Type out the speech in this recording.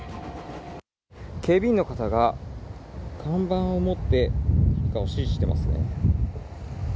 警備員の方が、看板を持って何かを指示してますね。